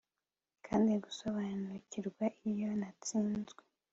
kandi gusobanukirwa iyo natsinzwe